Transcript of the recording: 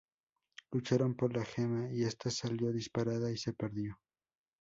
Lucharon por la gema y esta salió disparada y se perdió.